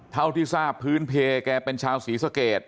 เท่าที่ทราบพื้นเพลแกเป็นชาวศรีสเกต